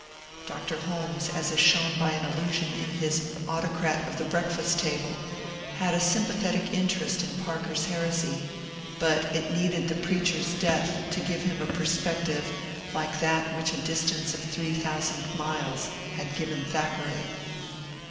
Dr. Holmes, as is shown by an allusion in his " Autocrat of the Breakfast Table," had sympathetic interest in Parker's heresy, but it needed the preacher's death to give him a perspective like that which a distance of three thousand miles had given Thackeray.